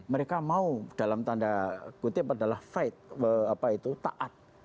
mereka mau dalam tanda kutip adalah fight taat